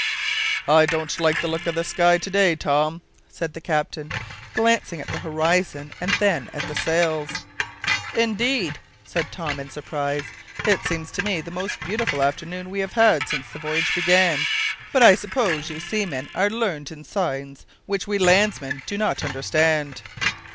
"I don't like the look of the sky to day, Tom," said the captain, glancing at the horizon and then at the sails. "Indeed!" said Tom, in surprise. "It seems to me the most beautiful afternoon we have had since the voyage began. But I suppose you seamen are learned in signs which we landsmen do not understand."